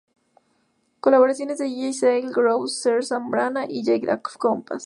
Colaboraciones de Dj Sale, Grosse, Sr Zambrana y Jake al compás.